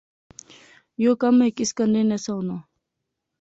یو کم ہیک اس کنے نہسا ہونا